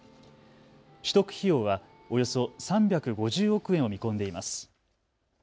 取得費用はおよそ３５０億円を見込んでいます。